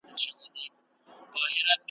د داسي قوي شخصیت خاوند وو `